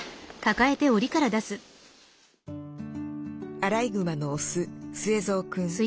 アライグマのオススエゾウくん。